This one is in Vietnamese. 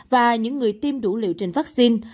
và những người tiêm đủ liệu trên vaccine